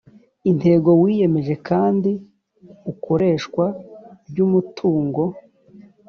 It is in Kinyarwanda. intego wiyemeje kandi ikoreshwa ry umutungo